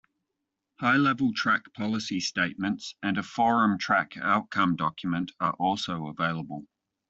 "High-Level Track Policy Statements" and a "Forum Track Outcome Document" are also available.